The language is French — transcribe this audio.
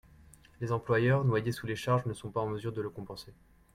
Les employeurs, noyés sous les charges, ne sont pas en mesure de le compenser.